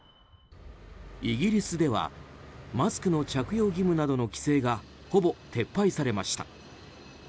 イギリスではマスクの着用義務などの規制がほぼ撤廃されました。